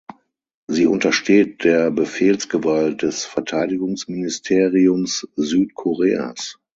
Sie untersteht der Befehlsgewalt des Verteidigungsministeriums Südkoreas.